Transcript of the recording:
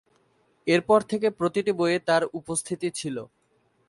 এরপর থেকে প্রতিটি বইয়ে তাঁর উপস্থিতি ছিল।